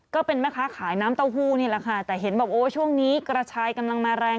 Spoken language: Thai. ก็เป็นแม่ค้าขายน้ำเต้าหู้นี่แหละค่ะแต่เห็นบอกโอ้ช่วงนี้กระชายกำลังมาแรง